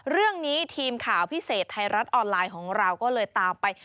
เรื่องนี้ทีมข่าวพิเศษไทยรัฐออนไลน์ของเราก็เลยตามไป